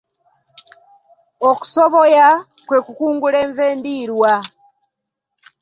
Okusoboya kwe kukungula enva endiirwa.